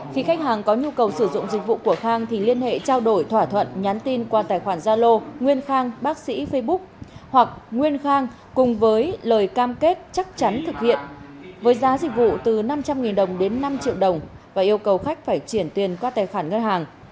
khi khách hàng có nhu cầu sử dụng dịch vụ của khang thì liên hệ trao đổi thỏa thuận nhắn tin qua tài khoản gia lô nguyên khang bác sĩ facebook hoặc nguyên khang cùng với lời cam kết chắc chắn thực hiện với giá dịch vụ từ năm trăm linh đồng đến năm triệu đồng và yêu cầu khách phải chuyển tiền qua tài khoản ngân hàng